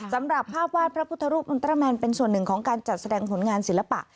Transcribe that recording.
สำหรับภาพวาดพระพุทธรูปอินเตอร์แมนเป็นส่วนหนึ่งของการจัดแสดงผลงานศิลปะ